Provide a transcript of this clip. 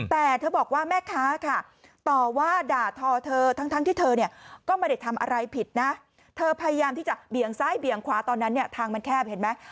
แต่เธอบอกว่าแม่ค้าค่ะต่อว่าด่าทอเธอทั้งที่เธอเนี่ยก็ไม่ได้ทำอะไรผิดนะเธอพยายามที่จะเบี่ยงซ้ายเบี่ยงขวาตอนนั้นเนี่ยทางมันแคบเห็นไหม